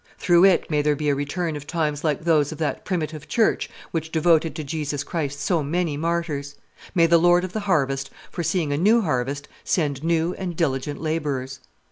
Through it may there be a return of times like those of that primitive church which devoted to Jesus Christ so many martyrs! May the Lord of the harvest, foreseeing a new harvest, send new and diligent laborers!